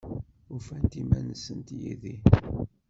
Ufant iman-nsent yid-i?